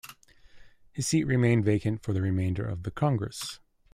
His seat remained vacant for the remainder of the Congress.